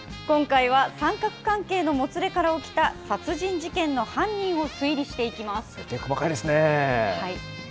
今回は三角関係のもつれから起きた殺人事件の犯人を推理して設定、細かいですね。